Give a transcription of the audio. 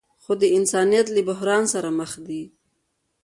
خو د انسانیت له بحران سره مخ دي.